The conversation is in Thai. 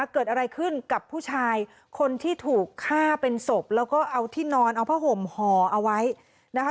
เกิดอะไรขึ้นกับผู้ชายคนที่ถูกฆ่าเป็นศพแล้วก็เอาที่นอนเอาผ้าห่มห่อเอาไว้นะคะ